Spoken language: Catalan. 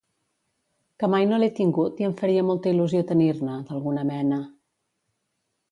Que mai no l'he tingut i em faria molta il·lusió tenir-ne, d'alguna mena.